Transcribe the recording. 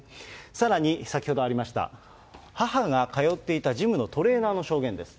さらに先ほどありました、母が通っていたジムのトレーナーの証言です。